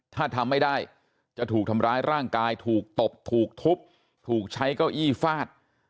ถ้าทำไม่ได้จะถูกทำร้ายร่างกายถูกตบถูกทุบถูกใช้เก้าอี้ฟาด